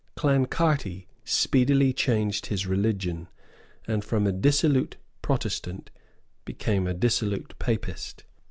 Clancarty speedily changed his religion, and from a dissolute Protestant became a dissolute Papist.